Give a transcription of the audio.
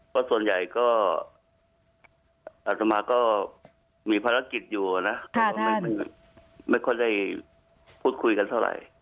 เพราะส่วนใหญ่ก็อัตมาก็มีภารกิจอยู่นะแต่ว่าไม่ค่อยได้พูดคุยกันเท่าไหร่